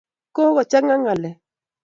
kokochanga ngalek